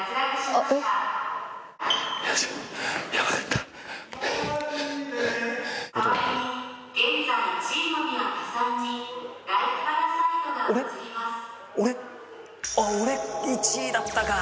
あっ俺１位だったか。